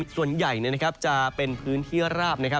ส่วนใหญ่จะเป็นพื้นที่ราบ